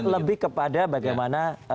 lebih kepada bagaimana